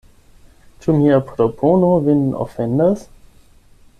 Ĉu mia propono vin ofendas?